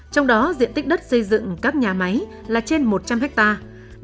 trong đó diện tích đất xây dựng các nhà máy là trên một trăm linh hectare